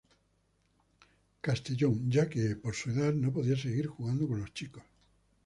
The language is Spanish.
Castellón ya que, por su edad, no podía seguir jugando con los chicos.